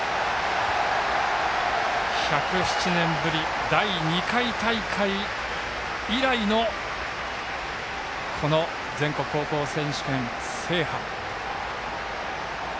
１０７年ぶり、第２回大会以来のこの全国高校選手権、制覇。